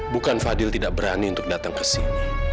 bukan fadil tidak berani untuk datang ke sini